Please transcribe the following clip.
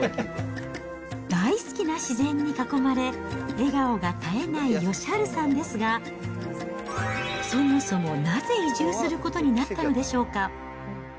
大好きな自然に囲まれ、笑顔が絶えない義治さんですが、そもそもなぜ移住することになったのでしょうか。